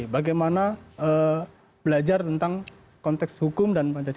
bagaimana belajar tentang konteks hukum dan pancasila